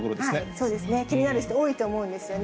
そうですね、気になる人、多いと思うんですよね。